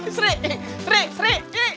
seri seri seri